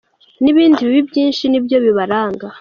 n ibindi bibi byinshi nibyo bibaranga.